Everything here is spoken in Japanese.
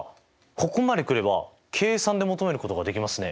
ここまで来れば計算で求めることができますね。